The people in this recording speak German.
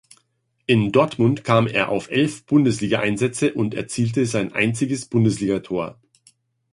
In Dortmund kam er auf elf Bundesliga-Einsätze und erzielte sein einziges Bundesligator.